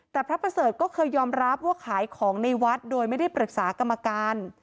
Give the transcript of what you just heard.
แต่พระประเสริฐก็เคยยอมรับว่าขายของในวัดโดยไม่ได้ปรึกษากรรมการ